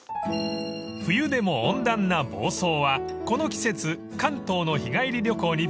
［冬でも温暖な房総はこの季節関東の日帰り旅行にぴったり］